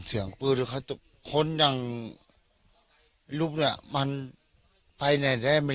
เสียงปืนหรือเขาจะคนยังลูกเนี้ยมันไปแน่แร่ไม่